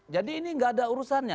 jadi ini gak ada urusannya